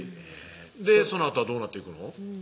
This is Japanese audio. そのあとはどうなっていくの？